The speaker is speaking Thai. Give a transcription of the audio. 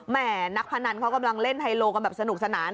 นักพนันเขากำลังเล่นไฮโลกันแบบสนุกสนาน